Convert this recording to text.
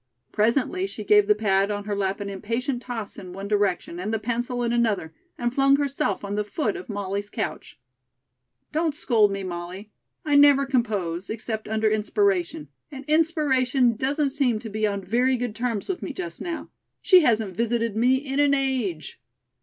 Presently she gave the pad on her lap an impatient toss in one direction and the pencil in another, and flung herself on the foot of Molly's couch. "Don't scold me, Molly. I never compose, except under inspiration, and inspiration doesn't seem to be on very good terms with me just now. She hasn't visited me in an age."